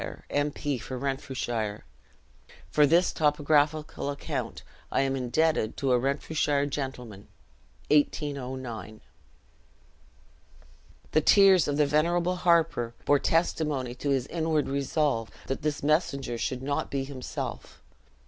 M. P. for Renfrewshire. For this topographical account, I am indebted to a Renfrewshire gentleman. (1809.) The tears of the venerable harper bore testimony to his inward resolve, that this messenger should not be himself.